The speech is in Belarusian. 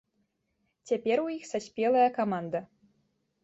Цяпер у іх саспелая каманда.